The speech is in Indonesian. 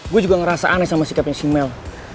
gue juga ngerasa aneh sama sikapnya si mel